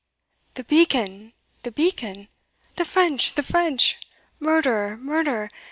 "The beacon! the beacon! the French! the French! murder! murder!